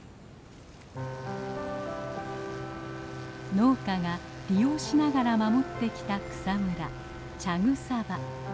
農家が利用しながら守ってきた草むら茶草場。